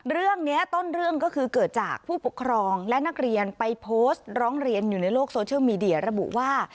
เรื่องนี้ต้นเรื่องก็คือเกิดจากผู้ปกครองและนักเรียนไปโพสต์ร้องเรียนอยู่ในโลกโซเชียลมีเดียระบุว่า